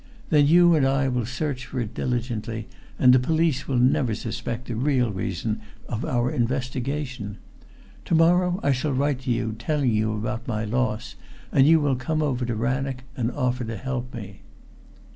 "Then you and I will search for it diligently, and the police will never suspect the real reason of our investigation. To morrow I shall write to you telling you about my loss, and you will come over to Rannoch and offer to help me."